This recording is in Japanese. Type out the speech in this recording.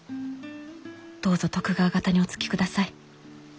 どうぞ徳川方におつきください。